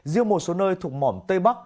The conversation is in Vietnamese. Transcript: riêng một số nơi thuộc mỏm tây bắc